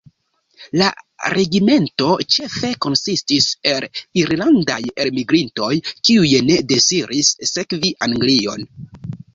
La regimento ĉefe konsistis el irlandaj elmigrintoj, kiuj ne deziris servi Anglion.